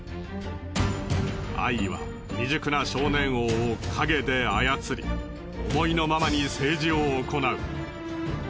アイは未熟な少年王を陰で操り思いのままに政治を行う。